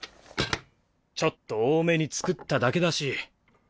ちょっと多めに作っただけだし。